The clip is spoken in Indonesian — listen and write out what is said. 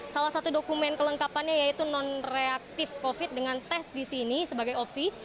salah satu dokumen kelengkapannya yaitu non reaktif covid dengan tes di sini sebagai opsi